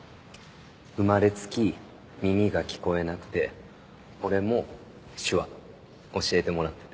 生まれつき耳が聞こえなくて俺も手話教えてもらってて。